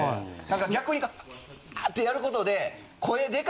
何か逆に。ってやることで。